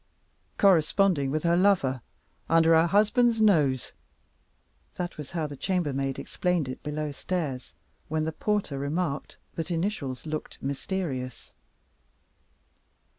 "Corresponding with her lover under her husband's nose!" That was how the chambermaid explained it below stairs, when the porter remarked that initials looked mysterious.